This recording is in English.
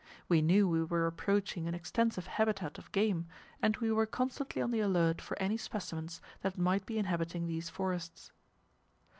We knew we were approaching an extensive habitat of game, and we were constantly on the alert for any specimens that might be inhabiting these forests.